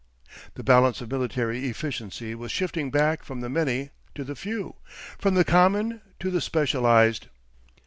The balance of military efficiency was shifting back from the many to the few, from the common to the specialised.